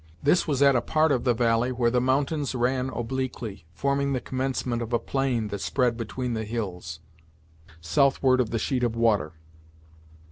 This was at a part of the valley where the mountains ran obliquely, forming the commencement of a plain that spread between the hills, southward of the sheet of water.